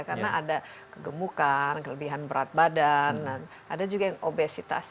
karena ada kegemukan kelebihan berat badan ada juga yang obesitas